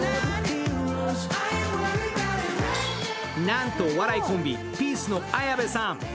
なんとお笑いコンビ、ピースの綾部さん。